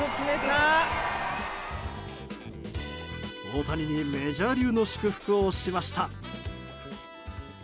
大谷にメジャー流の祝福をしました。